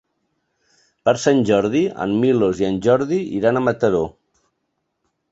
Per Sant Jordi en Milos i en Jordi iran a Mataró.